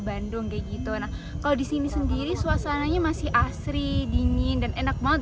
bandung kayak gitu nah kalau di sini sendiri suasananya masih asri dingin dan enak banget